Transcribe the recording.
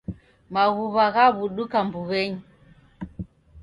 Maghuw'a ghaw'uduka mbuw'enyi.